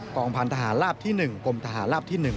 กองพันธาลาภที่หนึ่งกลมทหารลาภที่หนึ่ง